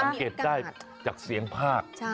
สังเกตได้จากเสียงภาค